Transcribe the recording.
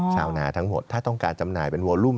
ชาวนาทั้งหมดถ้าต้องการจำหน่ายเป็นโวลุ่ม